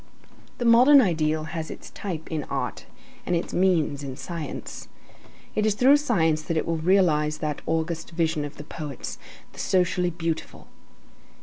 The modern ideal has its type in art, and its means is science. It is through science that it will realize that august vision of the poets, the socially beautiful.